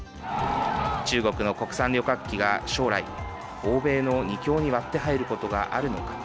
中国の国産旅客機が将来欧米の２強に割って入ることがあるのか。